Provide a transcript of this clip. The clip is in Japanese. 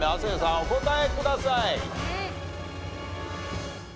お答えください。